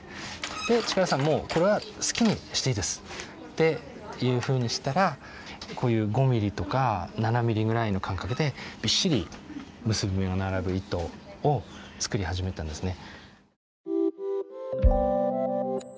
で「力さんもうこれは好きにしていいです」っていうふうにしたらこういう５ミリとか７ミリぐらいの間隔でびっしり結び目が並ぶ糸を作り始めたんですね。